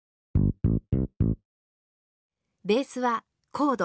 ベースはコード